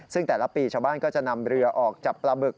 ซึ่งแต่ละปีชาวบ้านก็จะนำเรือออกจับปลาบึก